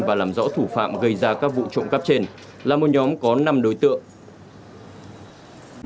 và làm rõ thủ phạm gây ra các vụ trộm cắp trên là một nhóm có năm đối tượng